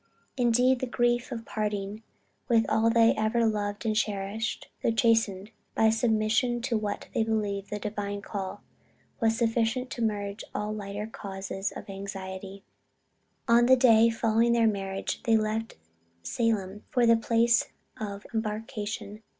Indeed the grief of parting with all they had ever loved and cherished, though chastened by submission to what they believed the Divine call, was sufficient to merge all lighter causes of anxiety. On the day following their marriage they left Salem for the place of embarkation.